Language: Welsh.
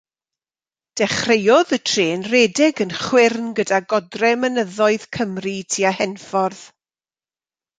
Dechreuodd y trên redeg yn chwyrn gyda godre mynyddoedd Cymru tua Henffordd.